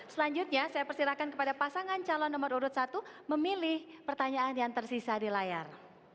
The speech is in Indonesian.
selanjutnya saya persilahkan kepada pasangan calon nomor urut satu memilih pertanyaan yang tersisa di layar